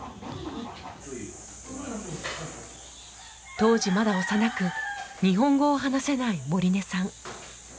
当時まだ幼く日本語を話せないモリネさん。